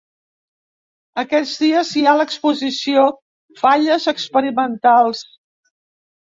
Aquests dies, hi ha l’exposició Falles experimentals.